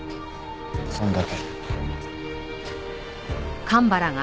そんだけ。